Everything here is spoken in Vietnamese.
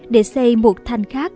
để xây một thành khác